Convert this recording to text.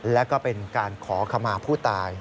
และก็เป็นการขอขมาผู้ตาย